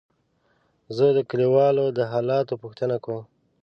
زه د کليوالو د حالاتو پوښتنه کوم.